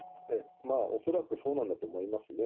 恐らくそうなんだと思いますね。